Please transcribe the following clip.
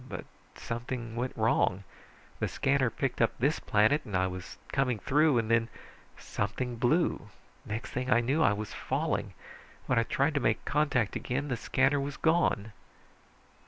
But something went wrong, the scanner picked up this planet, and I was coming through, and then something blew. Next thing I knew I was falling. When I tried to make contact again, the scanner was gone!"